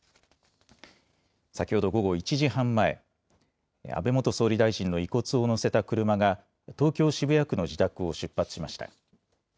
先ほど午後１時半前、安倍元総理大臣の遺骨を乗せた車が、東京・渋谷区の自宅を出発しました。